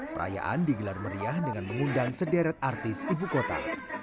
perayaan digelar meriah dengan mengundang sederet artis ibu kota